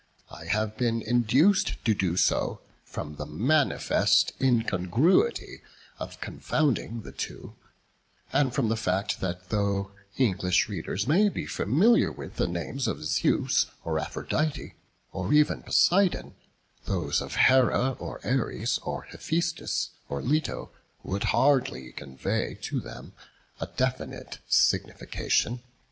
I have been induced to do so from the manifest incongruity of confounding the two; and from the fact that though English readers may be familiar with the names of Zeus, or Aphrodite, or even Poseidon, those of Hera, or Ares, or Hephaestus, or Leto, would hardly convey to them a definite signification.